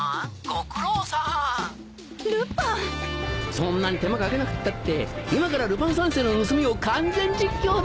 そんなに手間掛けなくったって今からルパン三世の盗みを完全実況だ！